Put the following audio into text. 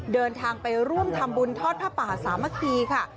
เดินทางไปร่วมธรรมบุญทอดผ้าปากษามกีฯค่ะ